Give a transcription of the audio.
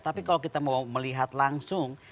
tapi kalau kita mau melihat langsung